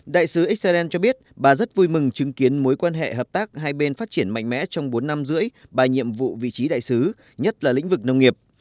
đại sứ israel cho biết bà rất vui mừng chứng kiến mối quan hệ hợp tác hai bên phát triển mạnh mẽ trong bốn năm rưỡi bà nhiệm vụ vị trí đại sứ nhất là lĩnh vực nông nghiệp